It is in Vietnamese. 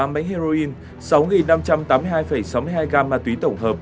tám bánh heroin sáu năm trăm tám mươi hai sáu mươi hai gram ma túy tổng hợp